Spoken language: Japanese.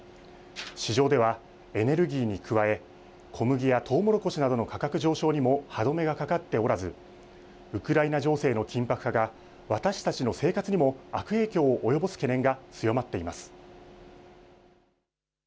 市場ではエネルギーに加え小麦やトウモロコシなどの価格上昇にも歯止めがかかっておらずウクライナ情勢の緊迫化が私たちの生活にも悪影響を及ぼす懸念が強まっています。